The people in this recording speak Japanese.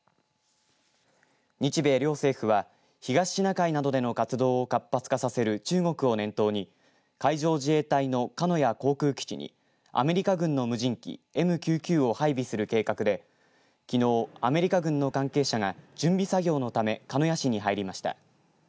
日米両政府は東シナ海などでの活動を活発化させる中国を念頭に海上自衛隊の鹿屋航空基地にアメリカ軍の無人機ＭＱ９を配備する計画できのう、アメリカ軍の関係者が準備作業のため鹿屋市に入りました。